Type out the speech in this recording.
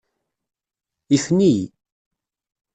Ifen-iyi.